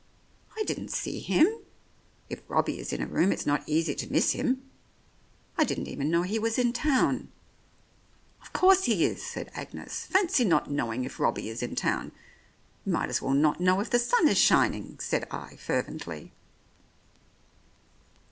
"I didn't see him. If Robbie is in a room it's not easy to miss him. I didn't even know he was in town." "Of course he is," said Agnes. "Fancy not know ing if Robbie is in town. You might as well not know " 98 The Oriolists "If the sun is shining," said I fervently.